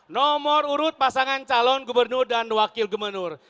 nomor urut pasangan calon gubernur dan wakil gubernur